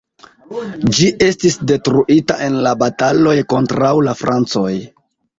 Ĝi estis detruita en la bataloj kontraŭ la francoj.